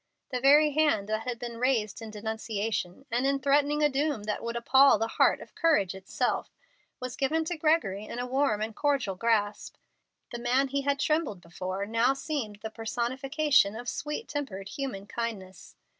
The very hand that had been raised in denunciation, and in threatening a doom that would appall the heart of courage itself, was given to Gregory in a warm and cordial grasp. The man he had trembled before now seemed the personification of sweet tempered human kindness.